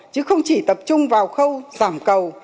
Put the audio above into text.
chứ không chỉ tập trung vào khâu giảm cầu